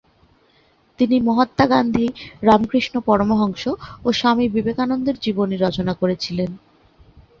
তিনি মহাত্মা গান্ধী, রামকৃষ্ণ পরমহংস ও স্বামী বিবেকানন্দের জীবনী রচনা করেছিলেন।